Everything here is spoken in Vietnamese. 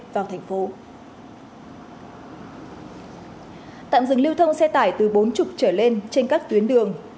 hải phòng tạm dừng lưu thông xe tải từ bốn mươi trở lên trên các tuyến đường